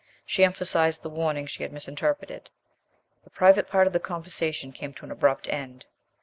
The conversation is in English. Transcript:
She emphasized the warning she had misinterpreted. The private part of the conversation came to an abrupt end.